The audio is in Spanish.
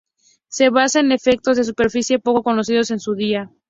Se basa en efectos de superficie, poco conocidos en su día.